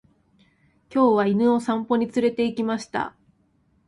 今日は犬を散歩に連れて行きました。